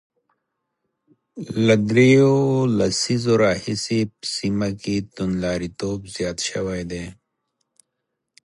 له درېو لسیزو راهیسې په سیمه کې توندلاریتوب زیات شوی دی